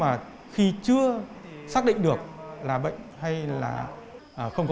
ở khu vực thanh xuân